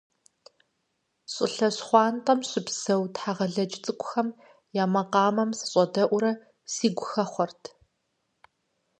ЩӀылъэ щхъуантӀэм щыпсэу тхьэгъэлэдж цӀыкӀухэм я макъамэм сыщӀэдэӀуурэ сигу хэхъуэрт.